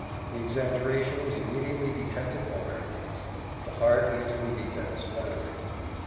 The exaggeration was immediately detected by Berenice: the heart easily detects flattery.